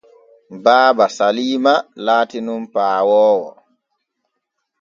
Baaba Saliima laati nun paawoowo.